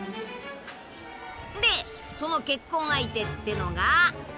でその結婚相手ってのが。